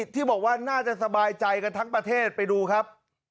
ที่บอกว่าน่าจะสบายใจกันทั้งประเทศไปดูครับ